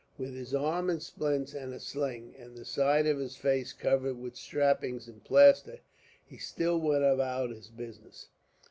With his arm in splints and a sling, and the side of his face covered with strappings and plaster, he still went about his business.